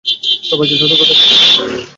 সবাইকে সতর্ক থাকতে বলো।